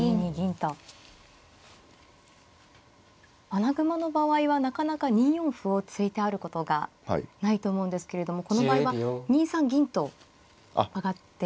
穴熊の場合はなかなか２四歩を突いてあることがないと思うんですけれどもこの場合は２三銀と上がって。